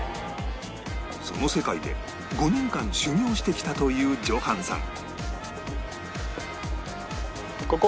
その世界で５年間修業してきたというジョハンさん